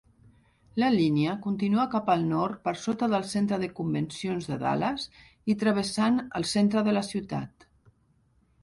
La línia continua cap al nord per sota del centre de convencions de Dallas i travessant el centre de la ciutat.